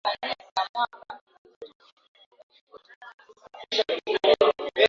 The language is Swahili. Hapendi dawa